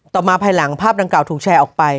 ต่อมาภายหลังภาพดังกล่าถูกแชร์ออกไป